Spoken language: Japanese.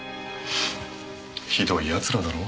ひどい奴らだろ？